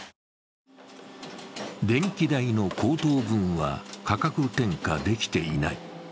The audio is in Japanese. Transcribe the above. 電気代の高騰分は価格転嫁できていない。